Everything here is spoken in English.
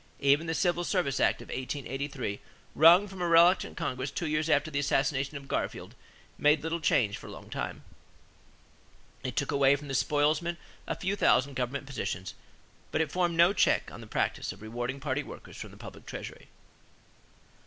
Even the Civil Service Act of 1883, wrung from a reluctant Congress two years after the assassination of Garfield, made little change for a long time. It took away from the spoilsmen a few thousand government positions, but it formed no check on the practice of rewarding party workers from the public treasury.